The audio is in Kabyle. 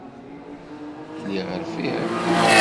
Lliɣ rfiɣ.